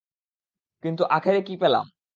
কিন্তু আখেরে কী পেলাম?